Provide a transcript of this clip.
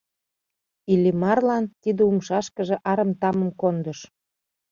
Иллимарлан тиде умшашкыже арым тамым кондыш.